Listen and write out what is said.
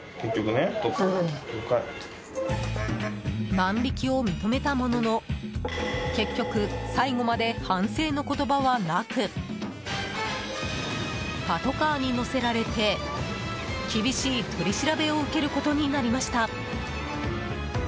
万引きを認めたものの結局、最後まで反省の言葉はなくパトカーに乗せられて厳しい取り調べを受けることになりました。